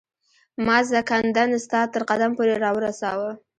ما زکندن ستا تر قدم پوري را ورساوه